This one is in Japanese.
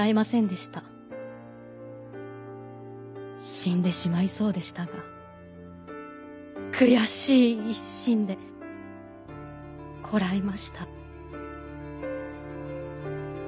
「死んでしまいそうでしたがくやしい一心でこらえました」。